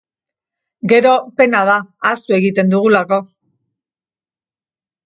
Gero, pena da, ahaztu egiten dugulako.